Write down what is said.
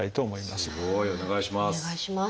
すごい！お願いします。